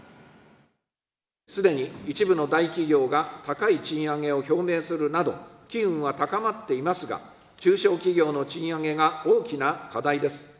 すでに一部の大企業が高い賃上げを表明するなど、機運は高まっていますが、中小企業の賃上げが大きな課題です。